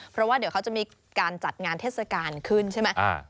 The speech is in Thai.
เพราะว่าเดี๋ยวเขาจะมีการจัดงานเทศกาลขึ้นใช่ไหม